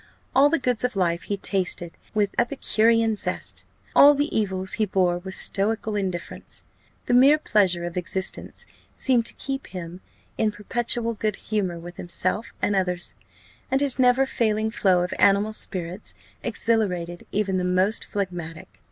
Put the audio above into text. All the goods of life he tasted with epicurean zest; all the evils he bore with stoical indifference. The mere pleasure of existence seemed to keep him in perpetual good humour with himself and others; and his never failing flow of animal spirits exhilarated even the most phlegmatic.